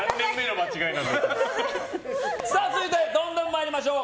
続いて、どんどん参りましょう。